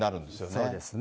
そうですね。